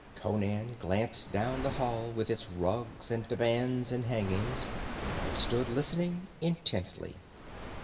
Conan glanced down the hall with its rugs and divans and hangings, and stood listening intently.